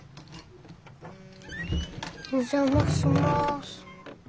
お邪魔します。